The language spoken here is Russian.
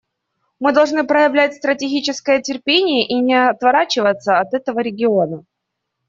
Мы должны проявлять стратегическое терпение и не отворачиваться от этого региона.